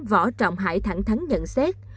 võ trọng hải thẳng thắng nhận xét